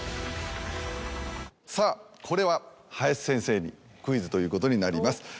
さぁこれは林先生にクイズということになります。